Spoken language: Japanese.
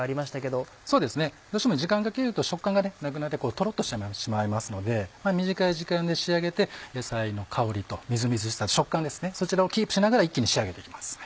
どうしても時間かけると食感がなくなってとろっとしてしまいますので短い時間で仕上げて野菜の香りとみずみずしさ食感そちらをキープしながら一気に仕上げて行きます。